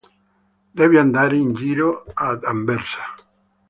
Devi andare in giro ad Anversa.